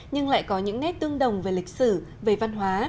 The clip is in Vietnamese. nhưng lại có những nét tương đồng về lịch sử về văn hóa